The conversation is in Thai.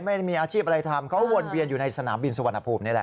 ไม่มีอาชีพอะไรทำเขาวนเวียนอยู่ในสนามบินสุวรรณภูมินี่แหละ